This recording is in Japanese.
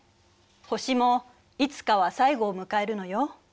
星もいつかは最後を迎えるのよ。